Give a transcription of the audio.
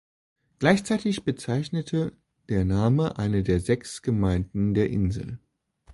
Gleichzeitig bezeichnet der Name eine der sechs Gemeinden der Insel.